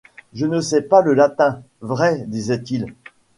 Je ne sais pas le latin, vrai, disait-il.